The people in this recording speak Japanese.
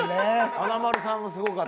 華丸さんもすごかったよね